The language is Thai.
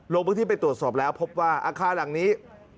ลงพื้นที่ไปตรวจสอบแล้วพบว่าอาคารหลังนี้